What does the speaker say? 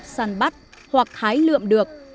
săn bắt hoặc hái lượm được